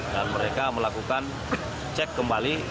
dan mereka melakukan cek kembali